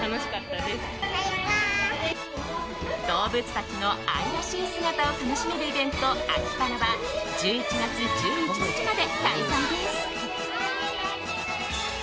動物たちの愛らしい姿を楽しめるイベント「アキパラ！」は１１月１１日まで開催です。